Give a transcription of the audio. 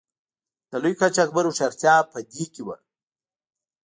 د لوی قاچاقبر هوښیارتیا په دې کې وه.